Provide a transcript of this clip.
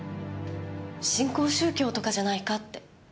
新興宗教とかじゃないかって。